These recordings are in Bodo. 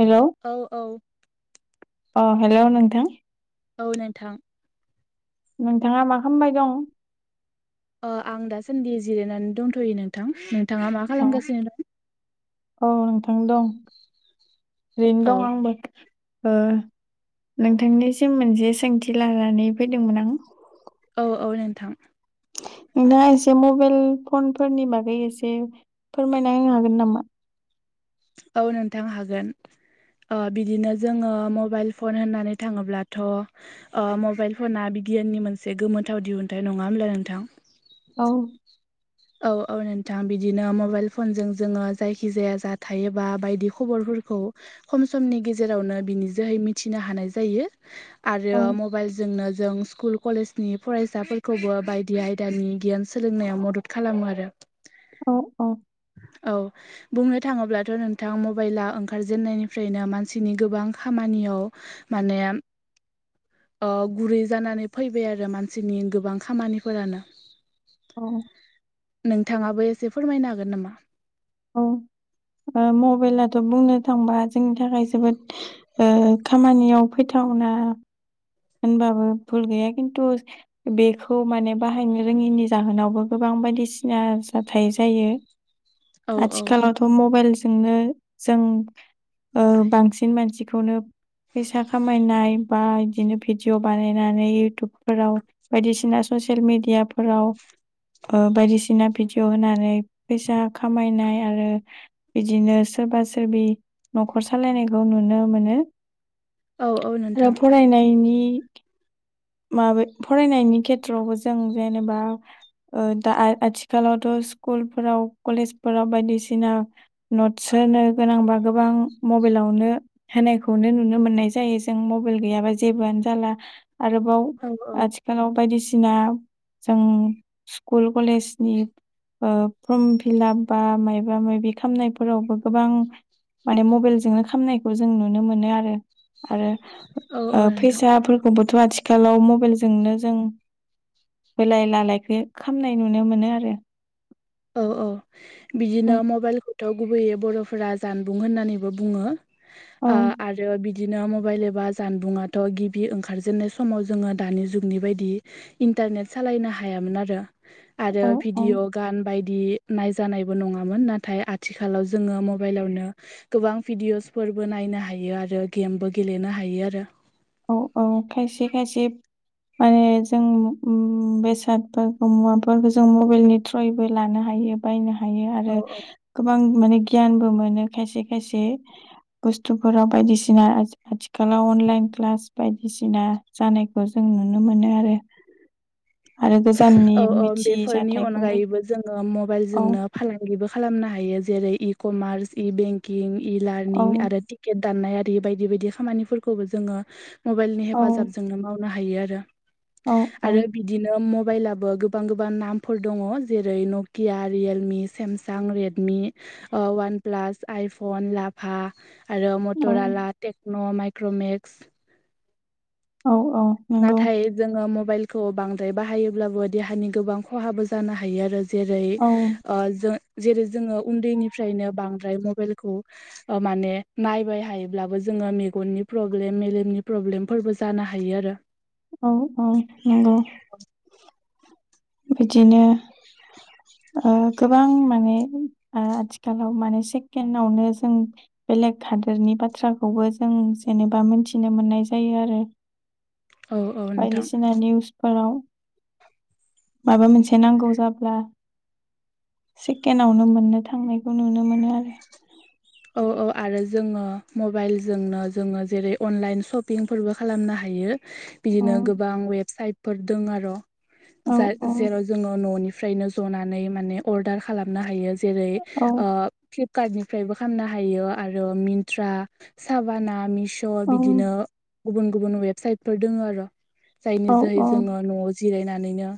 हेल' औ औ अ हेल' नोंथां औ नोंथां नोंथाङा मा खामबाय दं? ओ आं दासान्दि जिरायनानै दंथ'यो नोंथां नोंथाङा मा अ खालामगासिनो दं? औ नोंथां दं ओरैनो औ दं आंबो। ओ नोंथांनिसिम मोनसे सोंथि लानानै फैदोंमोन आं औ औ नोंथां नोंथाङा एसे मबाइल फनफोरनि बागै एसे फोरमायना होनो हागोन नामा? औ नोंथां हागोन ओ बिदिनो जोङो मबाइल फन होननानै थाङोब्लाथ' ओ मबाइल फना बिगियाननि मोनसे गोमोथाव दिहुनथाइ नङा होमब्ला नोंथां औ औ औ नोंथां बिदिनो मबाइल फनजों जोङो जायखि जाया जाथायोबा बायदि खबरफोरखौ खम समनि गेजेरावनो बिनि जोहै मिथिनो हानाय जायो औ आरो मबाइल जोंनो जों स्कुल कलेजनि फरायसाफोरखौबो बायदि आयदानि गियान सोलोंनायाव मदद खालामो आरो औ औ औ बुंनो थाङोब्लाथ' नोंथां मबाइला ओंखारजेेननायनिफ्रायनो मानसिनि गोबां खामानियाव माने ओ गुरै जानानै फैबाय आरो मानसिनि गोबां खामानिफोरानो औ नोंथाङाबो एसे फोरमायनो हागोन नामा? औ मबाइलाथ' बुंनो थांबा जोंनि थाखाय जोबोद ओ खामानियाव फैथावना होनबाबो भुल गैया खिन्थु बेखौ माने बाहायनो रोङिनि जाहोनावबो गोबां बायदिसिना जाथाय जायो औ आथिखालावथ' मबाइलजोंनो जों बांसिन मानसिखौनो फैसा खामायनाय बा बिदिनो भिदिअ बानायनानै इउटुबफोराव बायदिसिना ससियेल मिडियाफोराव बायदिसिना भिडिअ होनानै फैसा खामायनाय आरो बिदिनो सोरबा सोरबि न'खर सालायनायखौ नुनो मोनो औ औ आरो नोंथां फरायनायनि माब फरायनायनि खेथ्रआवबो जों जेनेबा दा आथिखालावथ' स्कुलफोराव कलेजफोराव बायदिसिना नटस होनो गोनांबा गोबां मबाइलावनो होनायखौनो नुनो मोन्नाय जायो जों मबाइल गैयाबा जेबो जाला आरोबाव औ औ आथिखालाव बायदिसिना जों स्कुल कलेजनि फर्म फिलाप बा माबा माबि खालामामनायफोरावबो गोबां माने मबाइलजोंनो खामनायखौ जों नुनो मोनो आरो आरो औ औ ओ नोंथां फसाफोरखौबोथ' आथिखालाव मबाइलजोंनो जों बोलाय लालायखौ खालामामनाय नुनो मोनो आरो औ औ उम बिदिनो मबाइल खौथ' गुबैयै बर'फोरा जानबुं होननानैबो बुङो औ ओ आरो बिदिनो मबाइल एबा जानबुङाथ' गिबि ओंखारजेननाय समाव जोङो दानि जुगनि बायदि इन्टारनेट सालायनो हायामोन आरो औ आरो औ भिडिअ गान बायदि बिदि नायजानायबो नङामोन नाथाय आथिखालाव जोङो मबाइलावनो गोबां भिडिअसफोरबो नायनो हायो आरो गेमबो गेलेनो हायो आरो औ औ खायसे खायसे माने जों बेसादफोरखौ मुवाफोरखौ जों मबाइलनि थ्रयैबो लानो हायो बायनो हायो आरो औ गोबां माने गियानबो मोनो खायसे खायसे बुस्थुफोराव बायदिसिना आथिखालाव अनलाइन क्लास बायदिसिना जानायखौ जों नुनो मोनो आरो आरो गोजाननि औ औ मिथियै बेफोरनि जाथायखौ मि- अनगायैबो जोङो औ मबाइलजोंनो फालांगिबो खालामनो हायो जेरै इ कमार्स इ बेंकिं इ औ लार्निं आरो टेखेद दाननाय आरि बायदि बायदि खामानिफोरखौबो जोङो मबाइलनि औ हेफाजाबजोंनो माव [inaudible] औ बिदिनो मबाइलबो गोबां गोबां नामफोर दङ जेरै नकिया Realme Samsung Redmi OnePlus iPhone लाभा ा आरो औ मटर आला टेक्न' माइक्र'मेक्स औ औ नंगौ नाथाय जोङो मबाइलखौ बांद्राय बाहायोब्लाबो देहानि गोबां खहाबो जानो हायो आरो जेरै औ ज जेरै जोङो उन्दैनिफ्रायनो बांद्राय मबाइलखौ माने नायबाय हायोब्लाबो जोङो मेगननि प्रब्लेम मेलेमनि प्रब्लेमफोरबो जानो हायो आरो औ औ नंगौ बिदिनो गोबां माने आथिखालाव माने सेकेणडआवनो जों बेलेग हादोरनि बाथ्राखौबो जों जेनेबा मिथिनो मोननाय जायो आरो औ औ नोंथां बायदिसिना निउसफोराव माबा मोनसे नांगौ जाब्ला सेकेणडआवनो मोननो थांनायखौ नुनो मोनो आरो औ औ आरो जोङो मबाइलजोंनो जोङो जेरै अनलाइन सपिं फोरबो खालामनो हायो औ बिदिनो गोबां वेबसाइटफोर दं आरो औ औ जेराव जोङो न'निफ्रायनो जनानै माने अर्डार खालामनो हायो जेरै औ कार्टनिफ्रायबो खामनो हायो आरो मिन्त्रा साबाना मिश' औ बिदिनो गुबुन गुबुन वेबसाइटफोर दङ आरो जायनि औ जोहै औ जोङो न'आव जिरायनानैनो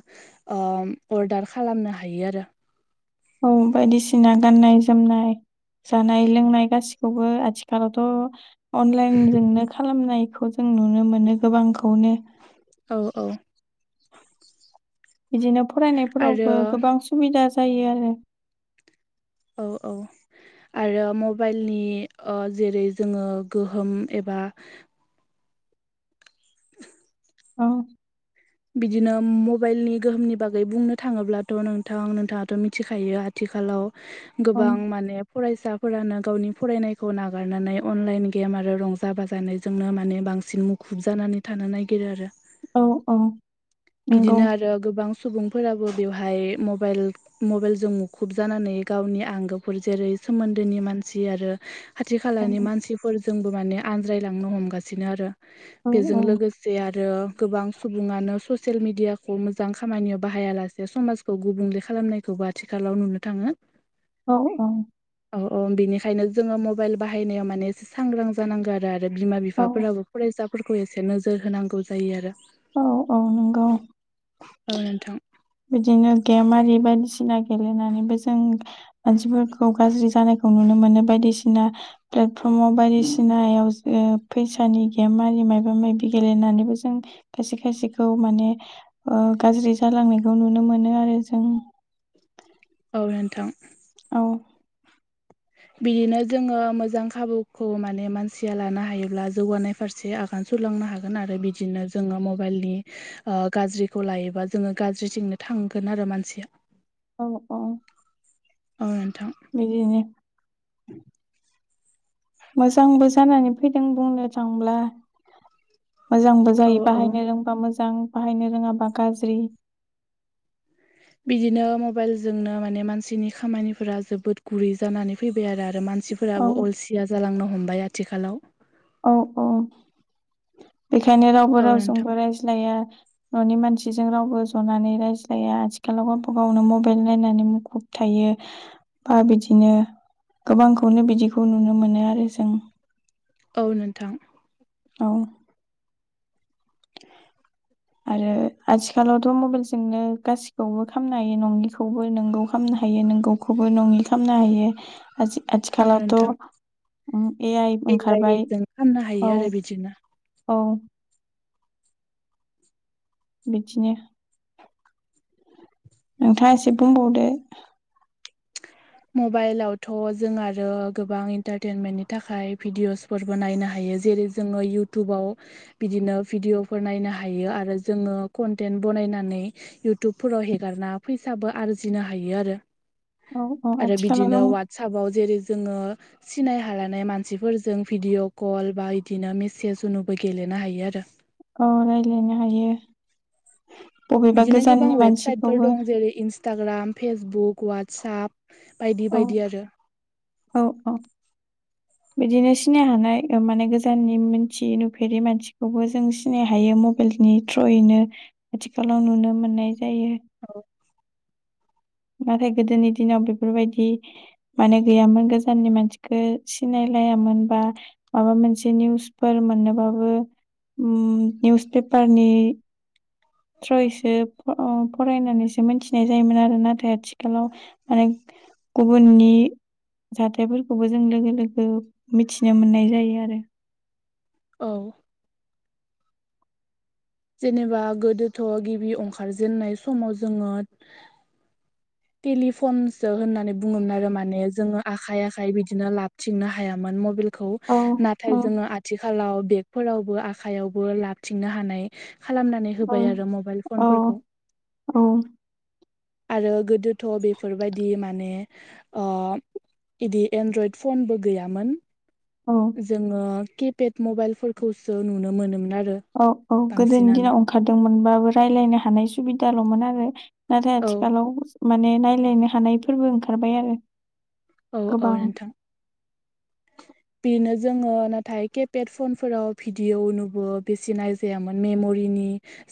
अर्डार खालामनो हायो आरो औ बायदिसिना गाननाय जोमनाय जानाय लोंनाय गासिखौबो आथिखालावथ' अनलाइनजोंनो खालामनायखौ जों नुनो मोनो गोबांखौनो औ औ बिदिनो आरो फरायनायफोरावबो गोबां सुबिदा जायो आरो औ औ आरो मबाइलनि ओ जेरै जोङो गोहोम एबा औ बिदिनो मबाइलनि गोहोमनि बागै बुंनो थाङोब्लाथ' नोंथां नोंथाङाथ' मिथिखायो थिखालाव औ गोबां माने फरायसाफोरानो गावनि फरायनायखौ नागारनानै अनलाइन गेम आरो रंजा बाजानो जोंनो माने बांसिन मुखुब जानानै थानो नागिरो आरो औ नंगौ बिदिनो आरो गोबां सुबुंफोराबो बेवहाय मबाइल मबेलजों मुखुब जानानै गावनि आंगोफोर जेरै सोमोन्दोनि मानसि आरो खाथि औ खालानि मानसिफोरजोंबो माने आनज्रायलांनो हमगासिनो आरो औ औ बेजों लोगोसे आरो गोबां सुबङानो स सेल मिडियाखौ मोजां खामानियाव बाहायालासे समाजखौ गुबुंले खालामनायखौबो आथिखालाव नुनो थाङो औ औ औ औ बिनिखायनो जोङो मबाइल बाहायनाया माने सांग्रां जानांगो आरो बे आरो बिमा औ बिफाफोराबो फरायसाफोरखौ एसे नोजोर होनांगौ जायो आरो औ औ नोंगौ औ नोंथां बिदिनो गेम आरि बायदिसिना गेलेनानैबो जों मानसिफोरखौ गाज्रि जानायखौ नुनो मोनो बायदिसिना प्लेटफर्माव बायदिसिनायाव ओ फैसानि गेम आरि मायबा मायबि गेलेनानैबो जों खायसे खायसेखौ माने ओ गाज्रि जालांनायखौ नुनो मोनो आरो जों औ नोंथां औ बिदिनो जोङो मोजां खाबुखौ माने मानसिया लानो हायोब्ला जौगानाय फारसे आगान सुरलांनो हागोन आरो बिदिनो जोङो मबाइलनि ओ गाज्रिखौ लायोबा जोङो गाज्रिथिंनो थांगोन आरो मानसिया औ औ औ नोंथां बिदिनि मोजांबो जानानै फैदों बुंनो थांब्ला मोजांबो औ जायो औ बाहायनो रोंबा मोजां बाहायनो रोङाबा गाज्रि बिदिनो मबाइल जोंनो माने मानसिनि खामानिफोरा जोबोद गुरै जानानै फैबाय आरो मान औ मानसिफोराबो अलसिया जालांनो हमबाय आथिखालाव औ औ बेखायनो रावबो औ नोंथां रावजोंबो रायज्लाया न'नि मानसिजों रावबो ज'नानै रायज्लाया आथिखालाव गावबा गावनो मबाइल नायनानै मुखुब थायो बा बिदिनो गोबांखौनो बिदिखौ नुनो मोनो आरो जों औ नोंथां औ आरो आथिखालावथ' मबेलजोंनो गासिखौबो खामनो हायो नंयिखौबो नोंगौ खामनो हायो नोंगौ ख'बो नङि खामनो हायो आजि औ आथिखालावथ' नोंथां उम ए आइ आइ ओंखारबाय जों खालामनो हायो औ आरो बिदिनो औ बिदिनो नोंथाङा इसे बुंबावदो [inaudible] मबाइलावथ' जों आरो गोबां इन्टारटेनमेन्टनि थाखाय भिडिअस फोरबो नायनो हायो जेरै जोङो इउटुबाव बिदिनो भिडिअफोर नायनो हायो आरो जोङो कन्टेन बनायनानै इउटुबफोराव हेगारना फैसाबो आरजिनो हायो आरो औ औ आरो आथिखालाव बिदिनो जों वाटसपाव जेरै जोङो। सिनाय हाालानाय मानसिफोरजों भिडिअ' कल बा इदिनो मेसेज उनुबो गेलेनो हायो आरो। औ रायज्लायनो हायो। बबेबा बिदिनो गोबां गोजाननि वेबसाइटफोर मानसिखौबो दं जेरै इन्स इन्सटाग्राम फेसबुक वाटसप बायदि औ बायदि आरो। औ औ। बिदिनो सिनाय हानाय माने गोजाननि मोनथि नुफेरि मानसिखौबो जों सिनायनो हायो। मबाइेल नि थ्रुयैनो आथिखालाव नुनो मोननाय जायो। औ। नाथाय गोदोनि दिनाव बेफोरबायदि। माने गैयामोन गोजाननि मानसिखौ सिनायलायामोन बा माबा मोनसे निउसफोर मोननोबाबो निउस पेपारनि थ्रयैसो फरायनानैसो मिथिनाय जायोमोन आरो नाथाय आथिखालाव माने गुबुननि जाथायफोरखौबो जों लोगो लोगो मिथिनो मोननाय जायो आरो। औ। जेनेबा गोदोथ' गिबि ओंखार जेननाय समाव जोङो। [inaudible] टेलिफनसो होननानै बुङोमोन आरो माने जोङो आखाइ आखाइ बिदिनो लाबथिंनो हायामोन मबाइल खौ औ नाथाय औ जोङो आथिखालाव बेगफोरावबो आखाइयावबो लाबथिंनो हानाय खालामनानै औ होबाय आरो मबाइल औ फनफोरखौ। औ आरो गोदोथ' बेफोरबायदि माने। इदि एन्ड्रइड फनबो गैयामोन। औ। जोङो किपेड मबाइलफोरखौसो नुनो मोनोमोन आरो। औ औ गोदोनि बांसिनानो दिनाव ओंखारदोंमोनबाबो रायज्लायनो हानाय सुबिदाल'मोन आरो। नाथाय औ आथिखालाव माने नायलायनो हानायफोरबो ओंखारबाय आरो। औ औ गोबां नोंथां। [inaudible] बेनो जोङो नाथाय केिपेड फनफोराव भिडिअ' नुबो बेसे नायजायामोन मेम'रिनि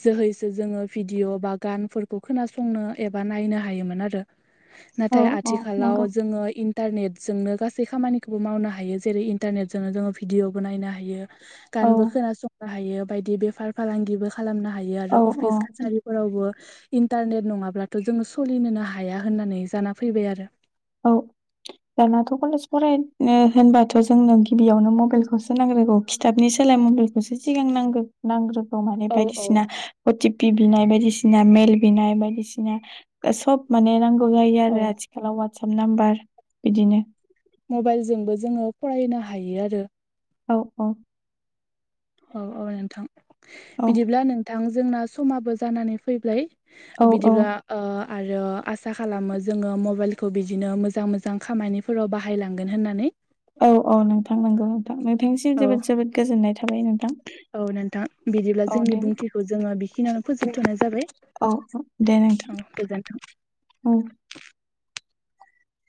जोहैसो जोङो भिडिअ' बा गानफोरखौ खोनासंनो एबा नायनो हायोमोन आरो। [inaudible] नाथाय औ आथिखालाव नंगौ जोङो इन्टारनेटजोंनो गासै खामानिखौबो मावनो हायो। जेरै इन्टारनेटजोंनो जोङो भिडिय'बो नायनो हायो औ गानबो खोनासंनो हायो बायदि बेफार फालांगिबो खालामनो हायो औ आरो औ अफिस कासारि फोरावबो इन्टारनेट नङाब्लाथ' जोङो सोलिनोनो हाया होननानै जाना फैबाय आरो। औ। दानाथ' कलेज फरायनो होनबाथ' जोंनो गिबियावनो मबाइलखौसो नांग्रोगौ। खिथाबनि सोलाय मुलिखौसो सिगां नांगो नांग्रो [inaudible] औ औ बायदिसिना अ टि पि बिनाय बायदिसिना मेल बिनाय बायदिसिना। सब माने नांगौ जायो औ आरो आथिखालाव वाट्सप नाम्बार बिदिनो। मबाइलजोंबो जोङो फरायनो हायो आरो औ औ औ औ नोंथां औ बिदिब्ला नोंथां जोंना समाबो जानानै फैबाय औ औ बिदिब्ला आरो आसा खालामो जोङो मबाइलखौ बिदिनो मोजां मोजां खामानि फोराव बाहायलांगोन होननानै औ औ नोंथां नंगौ नोंथां नोंथांनिसिम औ जोबोद जोबोद गोजोननाय थाबाय नोंथां औ नोंथां बिदिब्ला औ जोंनि दे बुंथिखौ जोङो बिखिनियावनो फोजोबथ'नाय जाबाय औ औ दे न औ गोजोनथों औ